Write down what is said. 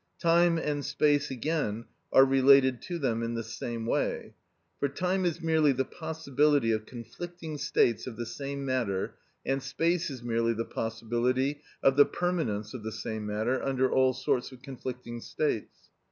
Time and space, again, are related to them in the same way. For time is merely the possibility of conflicting states of the same matter, and space is merely the possibility of the permanence of the same matter under all sorts of conflicting states.